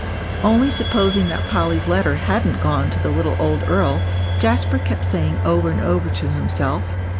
Only supposing that Polly's letter hadn't gone to the little old earl, Jasper kept saying over and over to himself.